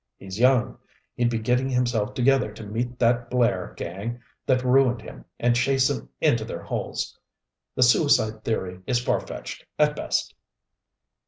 He's young, he'd be getting himself together to meet that Blair gang that ruined him and chase 'em into their holes. The suicide theory is far fetched, at best."